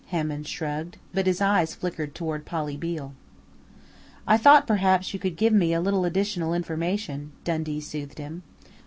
Hammond shrugged, but his eyes flickered toward Polly Beale. "I thought perhaps you could give me a little additional information," Dundee soothed him.